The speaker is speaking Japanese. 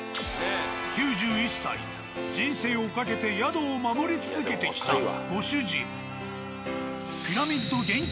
９１歳人生を懸けて宿を守り続けてきたご主人。